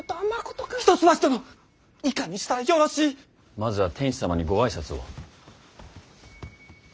まずは天子様にご挨拶を。